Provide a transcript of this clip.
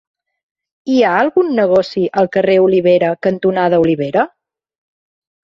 Hi ha algun negoci al carrer Olivera cantonada Olivera?